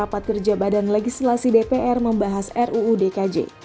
rapat kerja badan legislasi dpr membahas ruu dkj